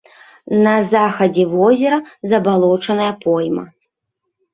На захадзе возера забалочаная пойма.